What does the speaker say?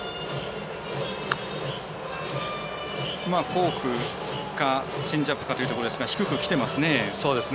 フォークかチェンジアップかというところ低くきてますね。